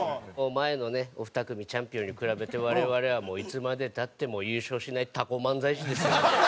前のねお二組チャンピオンに比べて我々はいつまで経っても優勝しないタコ漫才師ですよ。